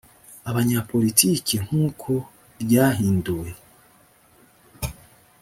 abanyapolitiki nk uko ryahinduwe